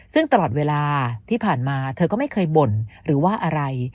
ซึ่งตลอดเวลาที่ผ่านมาเธอก็ไม่เคยบ่นหรือว่าอะไร